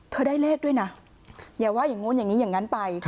ได้เลขด้วยนะอย่าว่าอย่างนู้นอย่างนี้อย่างนั้นไป